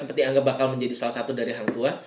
seperti anggap bakal menjadi salah satu dari hang tua